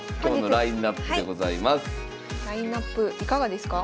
ラインナップいかがですか？